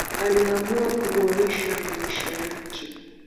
Aliamua kuboresha maisha yake